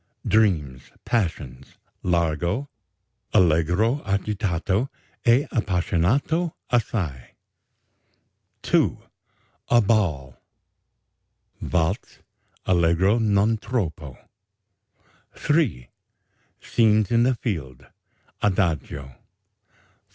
DREAMS, PASSIONS (Largo) (Allegro agitato e appassionato assai) 2. A BALL (Waltz: Allegro non troppo) 3. SCENE IN THE FIELDS (Adagio) 4.